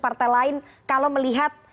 partai lain kalau melihat